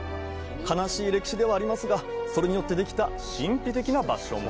悲しい歴史ではありますがそれによってできた神秘的な場所も